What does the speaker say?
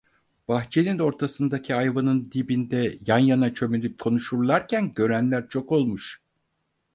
Bahçenin ortasındaki ayvanın dibinde yan yana çömelip konuşurlarken görenler çok olmuş.